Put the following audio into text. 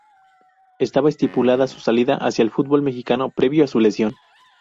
Estaba estipulada su salida hacia el fútbol mexicano, previo a su lesión.